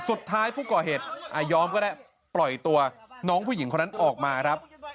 สุดท้ายผู้ก่อเหตุยอมก็ได้ปล่อยตัวน้องผู้หญิงคนนั้นออกมาครับ